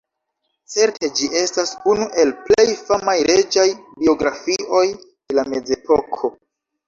Certe ĝi estas unu el plej famaj reĝaj biografioj de la Mezepoko.